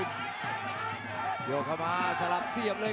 ด้วยก็เข้ามาบอกเรียกว่าทันที